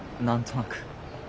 何となく。